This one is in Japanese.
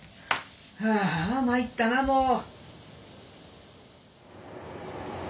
はあ参ったなもう。